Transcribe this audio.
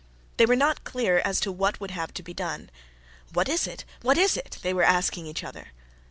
They were not clear as to what would have to be done. "What is it? What is it?" they were asking each other.